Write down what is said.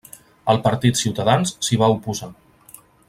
El partit Ciutadans s'hi va oposar.